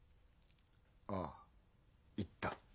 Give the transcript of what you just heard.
ああ言った。